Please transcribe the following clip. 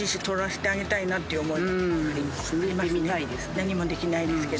何もできないですけど。